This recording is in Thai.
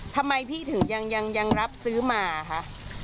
ทำไมพี่ถึงยังรับซื้อมาคะ